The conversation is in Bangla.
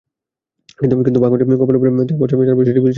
কিন্তু ভাঙনের কবলে পড়ে চার-পাঁচ বছর আগে সেটি বিলীন হয়ে গেছে।